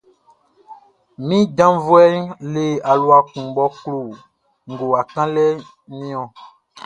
Min janvuɛʼn le alua kun mʼɔ klo ngowa kanlɛʼn niɔn.